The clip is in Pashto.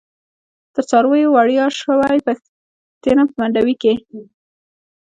تر څارویو وړیاشوی، پیښتنه په منډوی کی